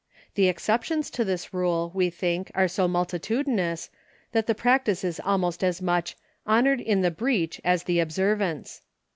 The exceptions to this rule, we think, are so multitudinous that the practice is almost as much "honored in the .breach as the obser vance."